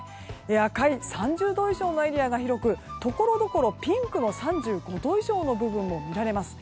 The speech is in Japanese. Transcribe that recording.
赤い、３０度以上のエリアが広くところどころピンクの３５度以上の部分も見られます。